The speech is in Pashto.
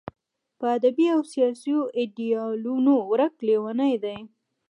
په ادبي او سیاسي ایډیالونو ورک لېونی دی.